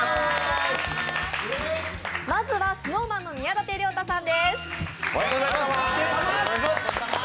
まずはＳｎｏｗＭａｎの宮舘涼太さんです。